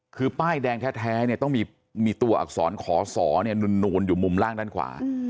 คือป้ายแดงแท้เนี่ยต้องมีตัวอักษรขอสอนูนอยู่มุมล่างด้านขวา